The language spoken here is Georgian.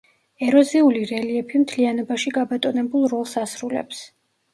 ეროზიული რელიეფი მთლიანობაში გაბატონებულ როლს ასრულებს.